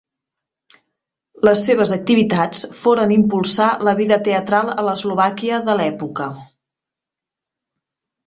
Les seves activitats foren impulsar la vida teatral a l'Eslovàquia de l'època.